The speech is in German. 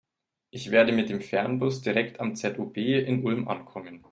Ich werde mit dem Fernbus direkt am ZOB in Ulm ankommen.